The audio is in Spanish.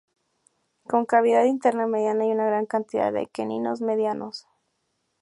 Con cavidad interna mediana y una gran cantidad de aquenios medianos.